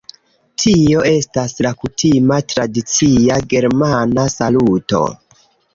Tio estas la kutima tradicia germana saluto